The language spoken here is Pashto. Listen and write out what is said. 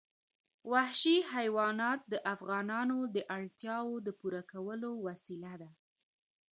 وحشي حیوانات د افغانانو د اړتیاوو د پوره کولو وسیله ده.